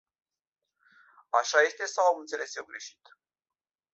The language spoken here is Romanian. Așa este sau am înțeles eu greșit?